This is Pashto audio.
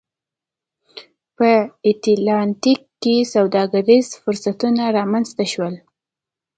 په اتلانتیک کې سوداګریز فرصتونه رامنځته شول.